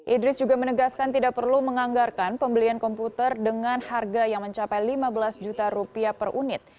idris juga menegaskan tidak perlu menganggarkan pembelian komputer dengan harga yang mencapai lima belas juta rupiah per unit